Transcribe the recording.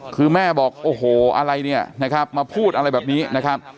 คือแม่บอกโอ้โหอะไรเนี่ยนะครับมาพูดอะไรแบบนี้นะครับ